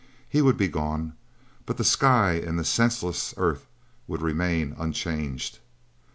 He would be gone, but the sky and the senseless earth would remain unchanged.